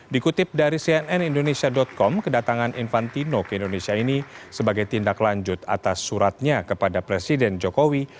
dikutip dari cnn indonesia com kedatangan infantino ke indonesia ini sebagai tindak lanjut atas suratnya kepada presiden jokowi